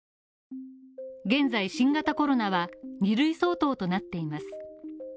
現在新型コロナは２類相当となっています。